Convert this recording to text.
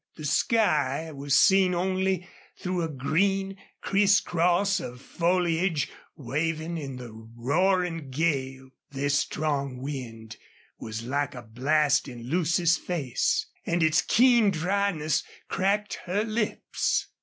The sky was seen only through a green, crisscross of foliage waving in the roaring gale. This strong wind was like a blast in Lucy's face, and its keen dryness cracked her lips.